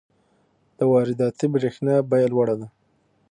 د وارداتي برښنا بیه لوړه ده.